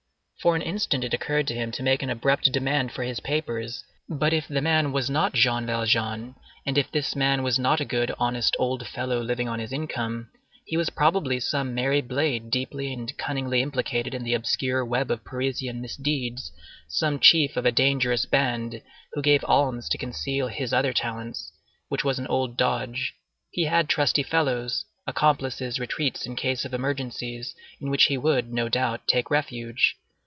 For an instant it occurred to him to make an abrupt demand for his papers; but if the man was not Jean Valjean, and if this man was not a good, honest old fellow living on his income, he was probably some merry blade deeply and cunningly implicated in the obscure web of Parisian misdeeds, some chief of a dangerous band, who gave alms to conceal his other talents, which was an old dodge. He had trusty fellows, accomplices' retreats in case of emergencies, in which he would, no doubt, take refuge.